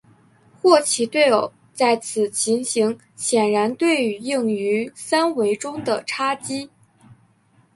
霍奇对偶在此情形显然对应于三维中的叉积。